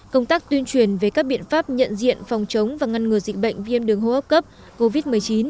công tác tuyên truyền về các biện pháp nhận diện phòng chống và ngăn ngừa dịch bệnh viêm đường hô hấp cấp covid một mươi chín